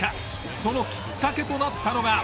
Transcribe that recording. そのきっかけとなったのが。